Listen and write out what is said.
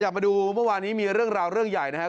มาดูเมื่อวานนี้มีเรื่องราวเรื่องใหญ่นะครับ